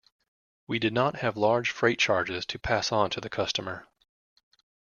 We did not have large freight charges to pass on to the customer.